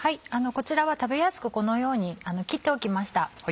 こちらは食べやすくこのように切っておきました。